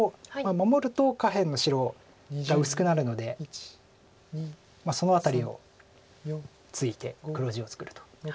守ると下辺の白が薄くなるのでその辺りをついて黒地を作ると。